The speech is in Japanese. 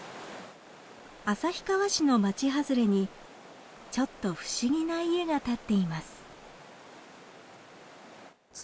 旭川市の町外れにちょっと不思議な家が立っています。